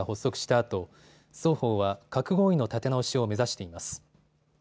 あと双方は核合意の立て直しを目指しています。